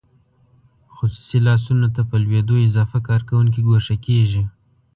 خصوصي لاسونو ته په لوېدو اضافه کارکوونکي ګوښه کیږي.